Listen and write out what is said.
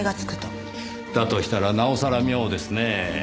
だとしたらなおさら妙ですねぇ。